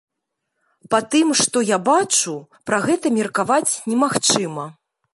Па тым, што я бачу, пра гэта меркаваць немагчыма.